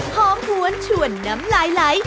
หอมหวนชวนน้ำไลน์ไลก์